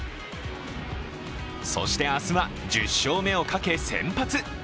そして明日は、１０勝目をかけ先発。